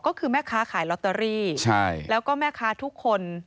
ก็คือแม่ค้าขายลอตเตอรี่ใช่แล้วก็แม่ค้าทุกคน